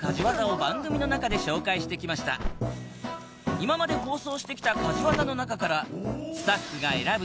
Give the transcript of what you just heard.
今まで放送してきた家事ワザの中からスタッフが選ぶ